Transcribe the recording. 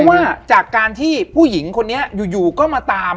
เพราะว่าจากการที่ผู้หญิงคนนี้อยู่ก็มาตาม